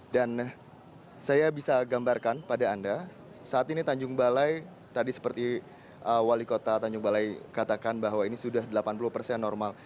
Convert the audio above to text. dan saya bisa gambarkan pada anda saat ini tanjung balai tadi seperti wali kota tanjung balai katakan bahwa ini sudah delapan puluh persen normal